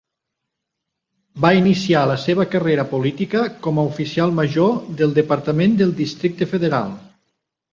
Va iniciar la seva carrera política com a oficial major del Departament del Districte Federal.